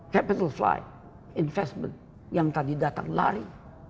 capital fly investment yang tadi datang lari